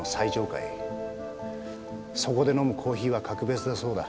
そこで飲むコーヒーは格別だそうだ。